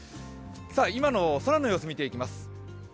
今の空の様子、見ていきます。